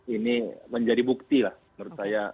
ini menjadi bukti lah menurut saya